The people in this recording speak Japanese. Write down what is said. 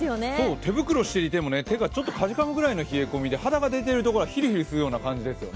手袋していても手がちょっとかじかむくらいの冷え込みで肌が出ているところはヒリヒリするような感じですよね。